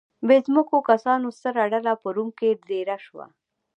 بې ځمکو کسانو ستره ډله په روم کې دېره شوه